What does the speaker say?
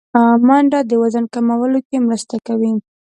منډه د وزن کمولو کې مرسته کوي